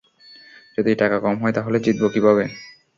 যদি টাকা কম হয় তাহলে জিতবো কিভাবে?